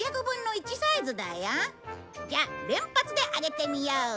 じゃあ連発で上げてみよう。